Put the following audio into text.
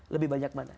lebih banyak mana